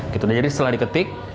gitu jadi setelah diketik